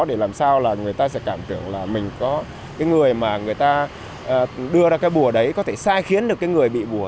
để làm sao là người ta sẽ cảm tưởng là mình có cái người mà người ta đưa ra cái bùa đấy có thể sai khiến được cái người bị bùa